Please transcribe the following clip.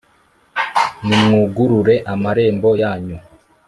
Nimwugurure amarembo yanyu